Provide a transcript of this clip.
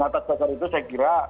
nah tersebut itu saya kira